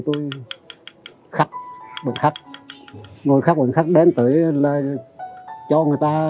tôi khắc một khắc ngồi khắc một khắc đến tới là cho người ta